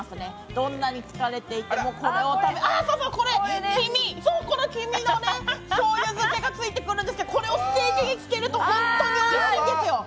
どんなに疲れていてもこれを食べそうそう、これ、この黄身の醤油漬けがついてくるんですけど、これをステーキにつけるとホントにおいしいんですよ。